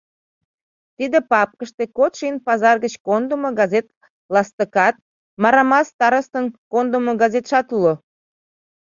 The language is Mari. Тиде папкыште кодшо ийын пазар гыч кондымо газет ластыкат, Марамас старостын кондымо газетшат уло.